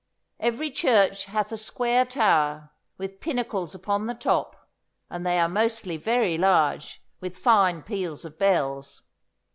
Every church hath a square tower, with pinnacles upon the top, and they are mostly very large, with fine peals of bells.